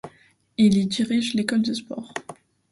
Il y dirige l'école de sport.